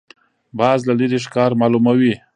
باز له لرې ښکار معلوموي